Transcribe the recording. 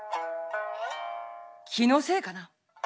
「気のせいかな」